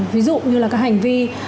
ví dụ như là các hành vi